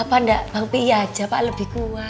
apa enggak bang pi aja pak lebih kuat